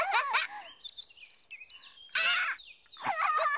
あっ！